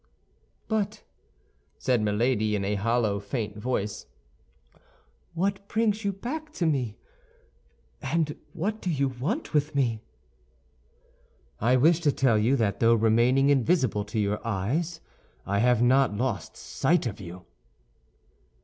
"But," said Milady, in a hollow, faint voice, "what brings you back to me, and what do you want with me?" "I wish to tell you that though remaining invisible to your eyes, I have not lost sight of you."